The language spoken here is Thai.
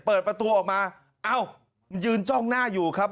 เปิดประตูออกมาเอ้ายืนจ้องหน้าอยู่ครับ